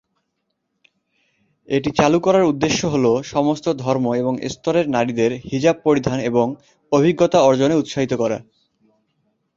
এটি চালু করার উদ্দেশ্য হলো, সমস্ত ধর্ম এবং স্তরের নারীদের হিজাব পরিধান এবং অভিজ্ঞতা অর্জনে উৎসাহিত করা।